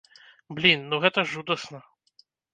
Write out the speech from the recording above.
Блін, ну гэта жудасна!